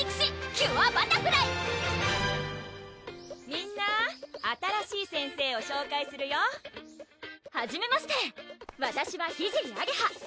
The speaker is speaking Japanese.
・みんな新しい先生を紹介するよ・はじめましてわたしは聖あげは！